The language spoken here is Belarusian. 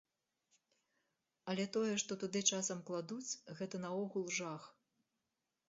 Але тое, што туды часам кладуць, гэта наогул жах.